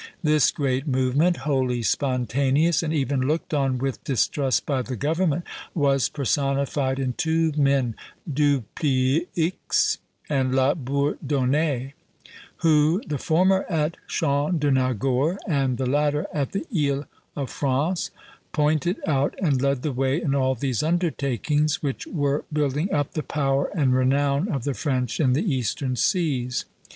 This great movement, wholly spontaneous, and even looked on with distrust by the government, was personified in two men, Dupleix and La Bourdonnais; who, the former at Chandernagore and the latter at the Isle of France, pointed out and led the way in all these undertakings, which were building up the power and renown of the French in the Eastern seas.